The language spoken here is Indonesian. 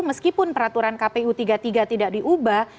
meskipun peraturan kpu tiga puluh tiga tidak diubah